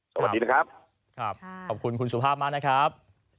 สวัสดีนะครับครับขอบคุณคุณสุภาพมากนะครับ